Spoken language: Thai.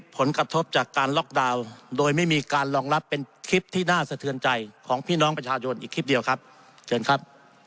ผลกระทบจากการล็อกดาวน์โดยไม่มีการรองรับเป็นคลิปที่น่าสะเทือนใจของพี่น้องประชาชนอีกคลิปเดียวครับเชิญครับ